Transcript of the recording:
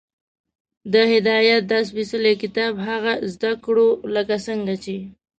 د هدایت دا سپېڅلی کتاب هغسې زده کړو، لکه څنګه چې